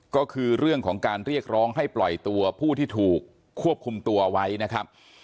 ก็คือเรื่องของการเรียกร้องให้ปล่อยตัวผู้ที่ถูกควบคุมตัวไว้นะครับ